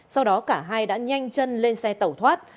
sau đó cả hai đã nhanh chân lên xe tẩu thoát